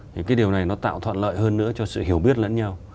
thì cái điều này nó tạo thuận lợi hơn nữa cho sự hiểu biết lẫn nhau